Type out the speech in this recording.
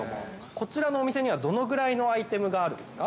こちらのお店にはどのぐらいのアイテムがあるんですか。